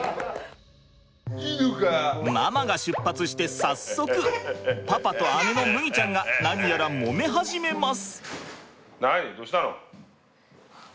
ママが出発して早速パパと姉の麦ちゃんが何やらもめ始めます。